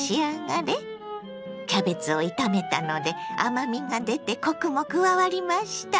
キャベツを炒めたので甘みが出てコクも加わりました。